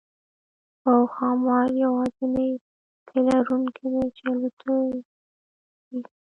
هو ښامار یوازینی تی لرونکی دی چې الوتلی شي